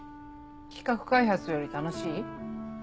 企画開発より楽しい？